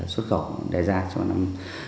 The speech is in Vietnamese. xuất khẩu đề ra cho năm hai nghìn một mươi chín